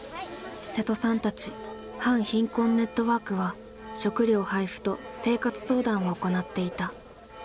瀬戸さんたち反貧困ネットワークは食料配布と生活相談を行っていた。